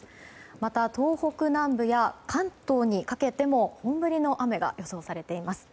また東北南部や関東にかけても本降りの雨が予想されています。